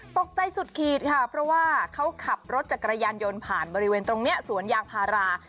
ตกใจสุดขีดค่ะเพราะว่าเขาขับรถจักรยานยนต์ผ่านบริเวณตรงนี้สวนยางพารา